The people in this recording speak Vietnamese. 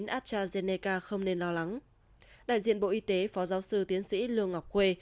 astrazeneca không nên lo lắng đại diện bộ y tế phó giáo sư tiến sĩ lương ngọc khuê